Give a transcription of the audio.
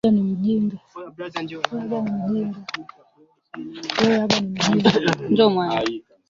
Wasanii wengi walipata moyo wa kukamilisha albamu na kuanza kuzisambaza kwa kuwatumia Mamu